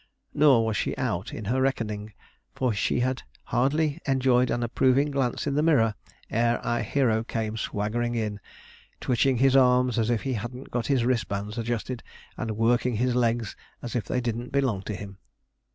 Nor was she out in her reckoning, for she had hardly enjoyed an approving glance in the mirror ere our hero came swaggering in, twitching his arms as if he hadn't got his wristbands adjusted, and working his legs as if they didn't belong to him.